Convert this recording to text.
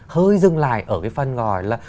hơi dừng lại ở cái phần gọi là